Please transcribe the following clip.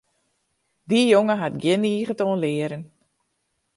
Dy jonge hat gjin niget oan learen.